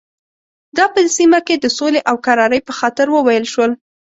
دا په سیمه کې د سولې او کرارۍ په خاطر وویل شول.